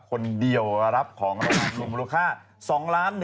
คนเดียวรับของรางวัล